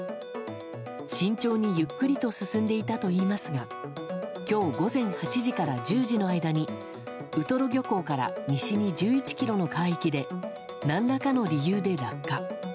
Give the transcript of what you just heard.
慎重にゆっくりと進んでいたといいますが今日午前８時から１０時の間にウトロ漁港から西に１１ｋｍの海域で何らかの理由で落下。